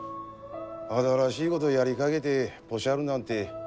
新しいごどやりかげでポシャるなんて